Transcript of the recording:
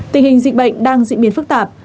tình hình dịch bệnh đang diễn biến phức tạp